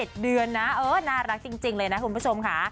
๗เดือนนะเออน่ารักจริงเลยนะคุณผู้ชมค่ะ